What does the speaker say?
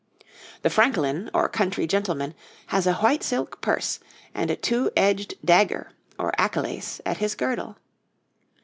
THE FRANKELEYN OR COUNTRY GENTLEMAN has a white silk purse and a two edged dagger, or akelace, at his girdle.